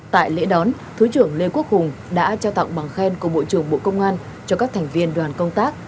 tại lễ đón thứ trưởng lê quốc hùng đã trao tặng bằng khen của bộ trưởng bộ công an cho các thành viên đoàn công tác